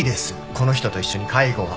この人と一緒に介護は。